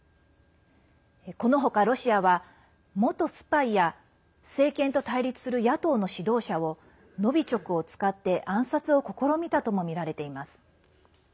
このほか、ロシアは元スパイや政権と対立する野党の指導者をノビチョクを使って暗殺を試みたともみられています。